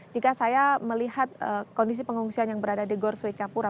jika saya melihat kondisi pengungsian yang berada di gor swecapura